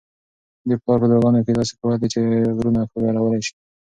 د پلار په دعاګانو کي داسې قوت دی چي غرونه ښورولی سي.